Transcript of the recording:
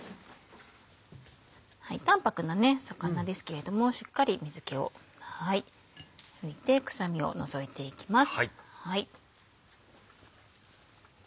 淡泊なね魚ですけれどもしっかり水気を拭いて臭みを除いていきます。